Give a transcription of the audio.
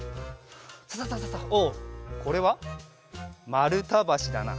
サササササおっこれはまるたばしだな。